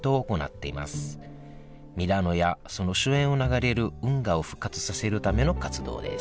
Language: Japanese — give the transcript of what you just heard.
ミラノやその周辺を流れる運河を復活させるための活動です